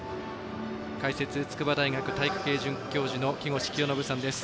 解説、筑波大学体育系准教授の木越清信さんです。